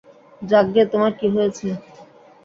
যাকগে, তোমার কি হয়েছে?